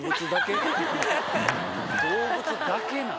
動物だけなん？